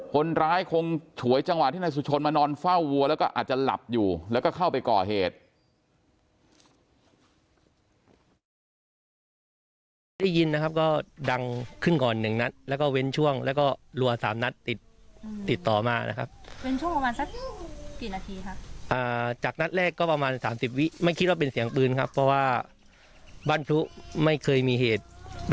คนร้ายคงฉวยจังหวะที่นายสุชนมานอนเฝ้าวัวแล้วก็อาจจะหลับอยู่แล้วก็เข้าไปก่อเหตุ